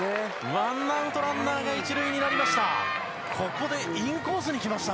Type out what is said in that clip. ワンアウトランナーが１塁になりました。